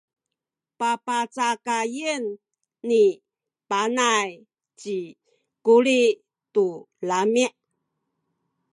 papacakayen ni Panay ci Kuli tu lami’.